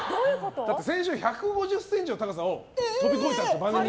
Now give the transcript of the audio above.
先週１５０ｃｍの高さを飛び越えたんですよ。